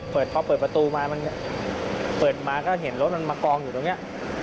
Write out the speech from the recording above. พอเปิดประตูมามันเปิดมาก็เห็นรถมันมากองอยู่ตรงนี้